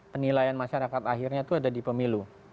penilaian masyarakat akhirnya itu ada di pemilu